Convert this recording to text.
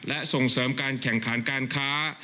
และส่งเสริมการแข่งขันการค้า